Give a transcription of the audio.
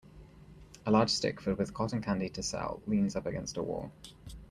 A large stick filled with cotton candy to sell leans up against a wall.